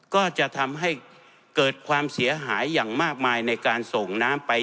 ก็จะทำให้เกิดความเสียหายอย่างมากมายในการส่งน้ำไป